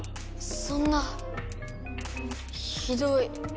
そんなひどい。